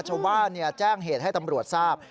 ชาวบ้านแจ้งเหตุให้ตำรวจทราบ